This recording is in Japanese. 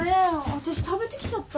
わたし食べてきちゃった。